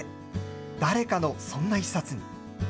誰かのそんな１冊に。